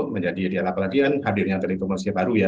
menjadi diatakan hadirnya telekomunikasi baru ya